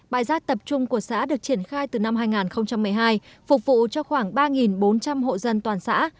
bãi rác tập trung của xã được triển khai từ năm hai nghìn một mươi hai phục vụ cho khoảng ba bốn trăm linh hộ dân toàn xã